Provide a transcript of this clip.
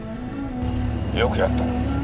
よくやった。